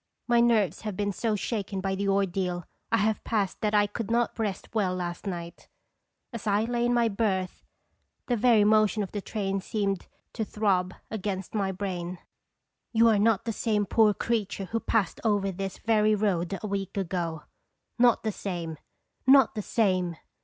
My nerves have been so shaken by the ordeal I have passed that I could not rest well last night. As I lay in my berth the very motion of the train seemed to throb against my brain. "You are not the same poor creature who passed over this very road a week ago not the same not the same!"